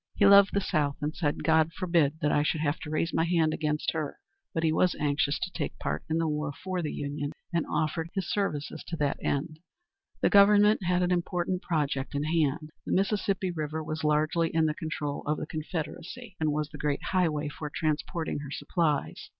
He loved the South, and said, "God forbid that I should have to raise my hand against her"; but he was anxious to take part in the war for the Union, and offered his services to that end. The Government had an important project in hand. The Mississippi River was largely in the control of the Confederacy, and was the great highway for transporting her supplies.